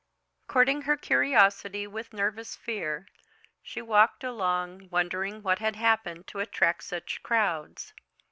Courting her curiosity with nervous fear, she walked along, wondering what had happened to attract such crowds.